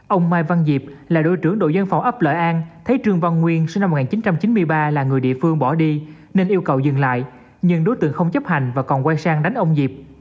ông mai văn diệp là đội trưởng đội dân phòng ấp lợi an thấy trương văn nguyên sinh năm một nghìn chín trăm chín mươi ba là người địa phương bỏ đi nên yêu cầu dừng lại nhưng đối tượng không chấp hành và còn quay sang đánh ông diệp